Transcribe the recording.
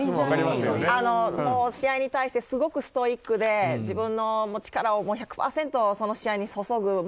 試合に対してすごくストイックで自分の力を１００％その試合にそそぐ。